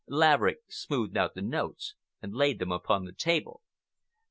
Laverick smoothed out the notes and laid them upon the table.